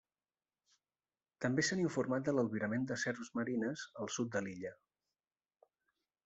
També s'han informat de l'albirament de serps marines al sud de l'illa.